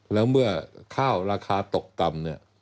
แล้วเมื่อข้าวราคาตกต่ำ